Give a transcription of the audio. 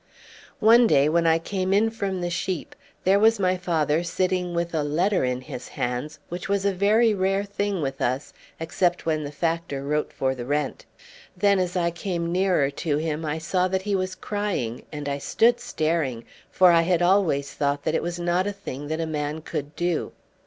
One day when I came in from the sheep, there was my father sitting with a letter in his hands, which was a very rare thing with us, except when the factor wrote for the rent. Then as I came nearer to him I saw that he was crying, and I stood staring, for I had always thought that it was not a thing that a man could do.